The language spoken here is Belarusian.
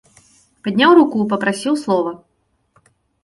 Падняў руку, папрасіў слова.